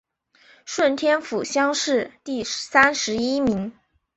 顺天府乡试第三十一名。